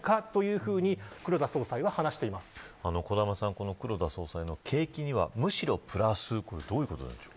この黒田総裁の景気にはむしろプラスとはどういうことなんでしょう。